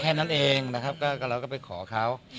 อันนั้นได้เองเราไปขอเขา